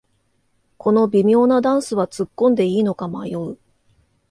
この微妙なダンスはつっこんでいいのか迷う